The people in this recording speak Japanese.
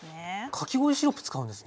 かき氷シロップ使うんですね。